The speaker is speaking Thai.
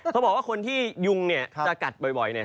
เขาบอกว่าคนที่ยุงเนี่ยจะกัดบ่อยเนี่ย